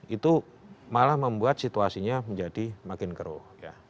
itu malah membuat situasinya menjadi makin keruh